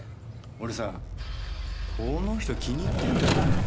俺さこの人気に入ってんだよね。